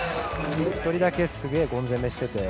１人だけすげぇゴン攻めしてて。